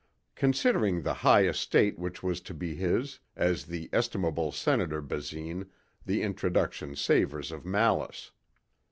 Considering the high estate which was to be his, as the estimable Senator Basine, the introduction savors of malice.